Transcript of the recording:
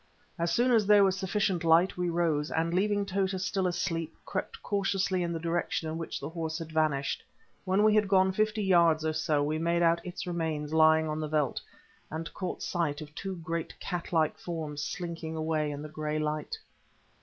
As soon as there was sufficient light we rose, and, leaving Tota still asleep, crept cautiously in the direction in which the horse had vanished. When we had gone fifty yards or so, we made out its remains lying on the veldt, and caught sight of two great cat like forms slinking away in the grey light.